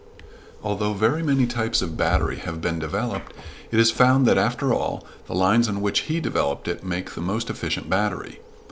Although very many types of battery have been developed, it is found that, after all, the lines on which he developed it make the most efficient battery.